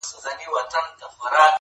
ژوند چي د سندرو سکه ورو دی لمبې کوې,